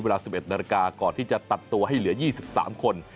เวลา๑๑นาฬิกาก่อนที่จะตัดตัวให้เหลือ๒๓คน